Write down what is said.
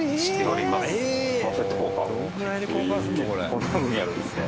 こんなふうにやるんですね。